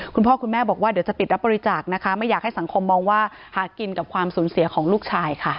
คุณพ่อคุณแม่บอกว่าเดี๋ยวจะปิดรับบริจาคนะคะไม่อยากให้สังคมมองว่าหากินกับความสูญเสียของลูกชายค่ะ